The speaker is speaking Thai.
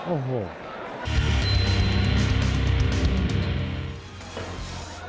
โอ้โห